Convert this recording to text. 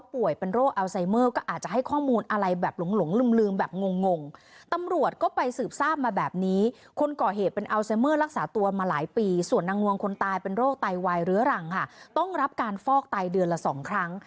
ผีมาสั่งผีมาสั่งตาของกับงั้น